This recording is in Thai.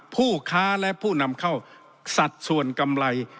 ผู้ค้าและผู้นำเข้าสัดส่วนกำไร